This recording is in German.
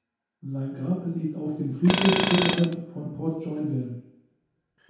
Sein Grab liegt auf dem Friedhof oberhalb von Port-Joinville.